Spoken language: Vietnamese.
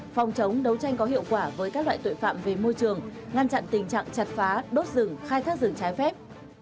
phòng chống đấu tranh có hiệu quả với các loại tội phạm về môi trường ngăn chặn tình trạng chặt phá đốt rừng khai thác rừng trái phép